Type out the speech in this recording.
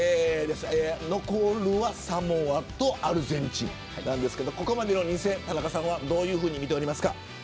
残るはサモアとアルゼンチンですけどここまでの２戦、田中さんはどういうふうに見てますか。